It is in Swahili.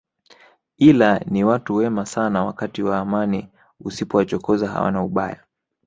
Ila ni watu wema sana wakati wa amani usipowachokoza hawana ubaya